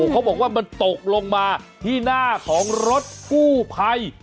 เขาบอกว่ามันตกลงมาที่หน้าของรถกู้ภัย